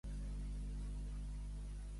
Per Sant Jordi en Jordi va a Quatretondeta.